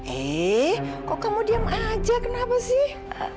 eh kok kamu diam aja kenapa sih